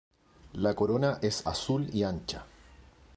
La corona es azul y ancha.